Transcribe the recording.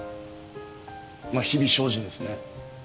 まあ日々精進ですね。